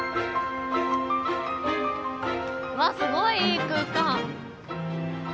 わあすごいいい空間。